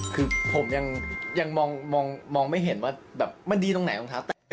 คือผมยังมองไม่เห็นว่าแบบมันดีตรงไหนรองเท้าแตะ